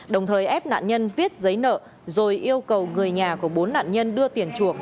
đồng thời ép nạn nhân viết giấy nợ rồi yêu cầu người nhà của bốn nạn nhân đưa tiền chuộc